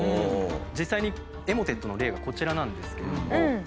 実際にエモテットの例がこちらなんですけれども。